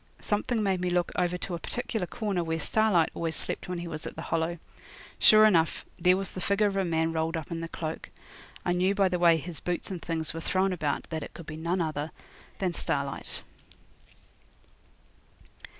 Something made me look over to a particular corner where Starlight always slept when he was at the Hollow. Sure enough there was the figure of a man rolled up in a cloak. I knew by the way his boots and things were thrown about that it could be no other than Starlight.